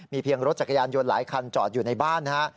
เพียงรถจักรยานยนต์หลายคันจอดอยู่ในบ้านนะฮะ